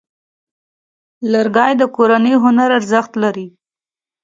لرګی د کورني هنر ارزښت لري.